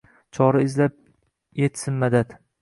Chora izlab, etsin madad